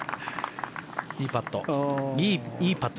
いいパット。